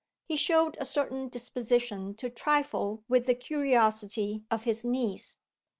He showed a certain disposition to trifle with the curiosity of his niece.